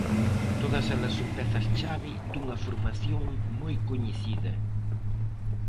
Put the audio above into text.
Todas elas son pezas chave dunha formación moi coñecida.